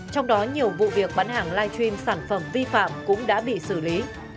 trong đó nhiều vụ việc bán hàng live stream sản phẩm vi phạm cũng đã bị xử lý